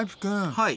はい。